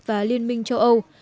và liên minh châu âu